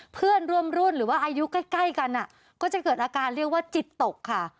เพื่อนร่วมรุ่นหรือว่าอายุใกล้กันก็จะเกิดอาการเรียกว่าจิตตกค่ะ